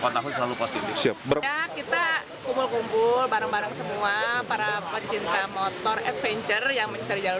kita kumpul kumpul bareng bareng semua para pencinta motor adventure yang mencari jalur